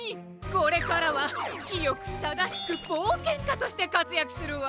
これからはきよくただしくぼうけんかとしてかつやくするわ！